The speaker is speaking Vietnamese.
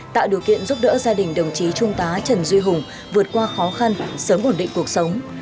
tạo điều kiện giúp đỡ gia đình đồng chí trung tá trần duy hùng vượt qua khó khăn sớm ổn định cuộc sống